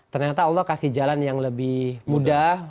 ternyata allah kasih jalan yang lebih mudah